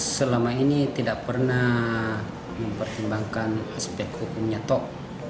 selama ini tidak pernah mempertimbangkan aspek hukumnya tok